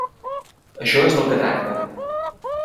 Això és del que tracta.